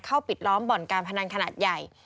ปิดล้อมบ่อนการพนันขนาดใหญ่